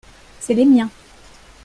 c'est les miens.